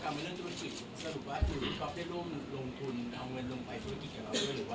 คนเราถ้าใช้ชีวิตมาจนถึงอายุขนาดนี้แล้วค่ะ